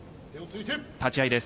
立ち合いです。